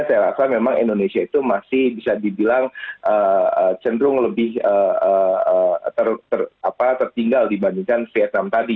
saya rasa memang indonesia itu masih bisa dibilang cenderung lebih tertinggal dibandingkan vietnam tadi